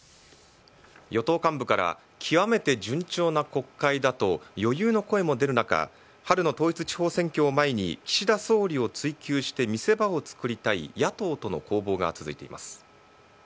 与党幹部から極めて順調な国会だと、余裕の声も出る中、春の統一地方選挙を前に、岸田総理を追及して見せ場を作りたい野党との攻防が続いています。